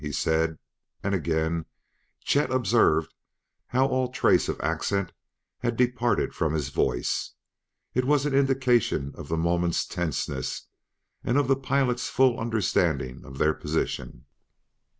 he said, and again Chet observed how all trace of accent had departed from his voice; it was an indication of the moment's tenseness and of the pilot's full understanding of their position.